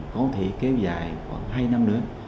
có thể kéo dài khoảng hai năm nữa